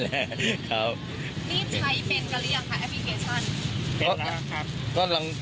นี่ไม่ใช้เป็นกะเรียงแอพพิเภชชั่น